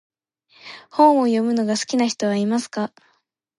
本を読むのが好きな人はいますか？